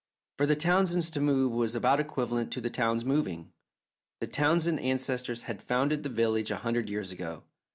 For the Townsends to move was about equivalent to the town's moving. The Townsend ancestors had founded the village a hundred years ago.